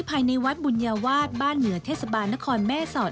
ภายในวัดบุญญาวาสบ้านเหนือเทศบาลนครแม่สอด